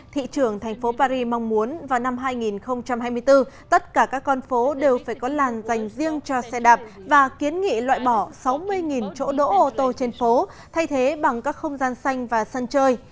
thị trưởng thành phố paris mong muốn vào năm hai nghìn hai mươi bốn tất cả các con phố đều phải có làn dành riêng cho xe đạp và kiến nghị loại bỏ sáu mươi chỗ đỗ ô tô trên phố thay thế bằng các không gian xanh và sân chơi